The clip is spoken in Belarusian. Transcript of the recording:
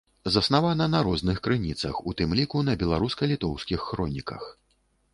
Заснавана на розных крыніцах, у тым ліку на беларуска-літоўскіх хроніках.